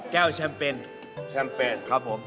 แก้วแชมเปญ